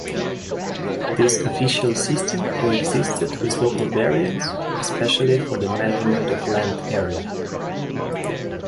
This official system coexisted with local variants, especially for the measurement of land area.